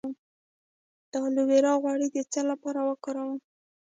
د الوویرا غوړي د څه لپاره وکاروم؟